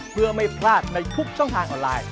เพื่อไม่พลาดในทุกช่องทางออนไลน์